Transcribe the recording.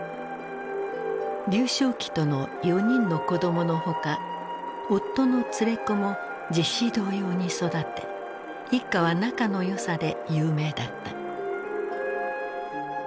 劉少奇との４人の子供のほか夫の連れ子も実子同様に育て一家は仲の良さで有名だった。